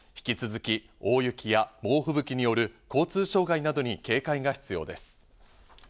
引き続き大雪や猛吹雪による交通障害などに警戒が必要です。